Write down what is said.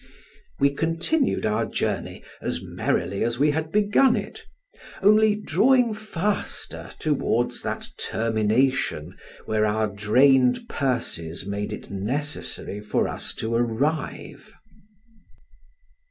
We continued our journey as merrily as we had begun it, only drawing faster towards that termination where our drained purses made it necessary for us to arrive.